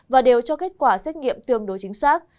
và đều cho kết quả xét nghiệm tương đối chính xác